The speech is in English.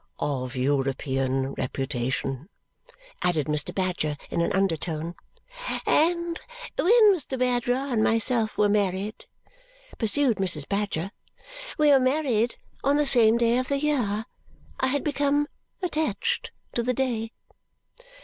"Of European reputation," added Mr. Badger in an undertone. "And when Mr. Badger and myself were married," pursued Mrs. Badger, "we were married on the same day of the year. I had become attached to the day."